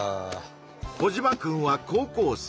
コジマくんは高校生。